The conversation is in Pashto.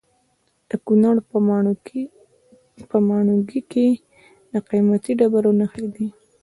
د کونړ په ماڼوګي کې د قیمتي ډبرو نښې دي.